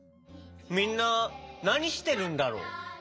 みんななにしてるんだろ？